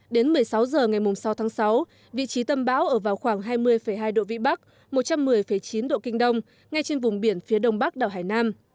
đến một mươi sáu h ngày sáu tháng sáu vị trí tâm bão ở vào khoảng hai mươi hai độ vĩ bắc một trăm một mươi chín độ kinh đông ngay trên vùng biển phía đông bắc đảo hải nam